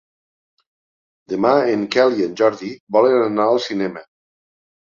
Demà en Quel i en Jordi volen anar al cinema.